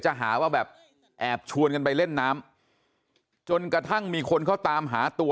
หาว่าแบบแอบชวนกันไปเล่นน้ำจนกระทั่งมีคนเขาตามหาตัว